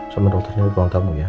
sama dokternya di ruang tamu ya